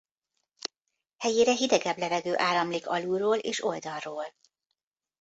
Helyére hidegebb levegő áramlik alulról és oldalról.